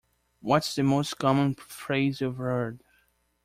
What's the most common phrase you've heard?